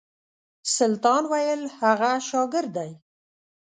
سلطان ویل هغه شاګرد دی.